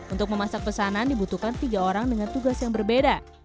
untuk memasak pesanan dibutuhkan tiga orang dengan tugas yang berbeda